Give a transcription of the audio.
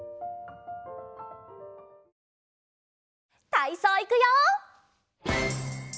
たいそういくよ！